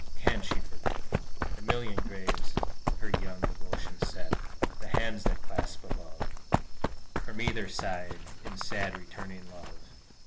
Can she forget The million graves her young devotion set, The hands that clasp above, From either side, in sad, returning love?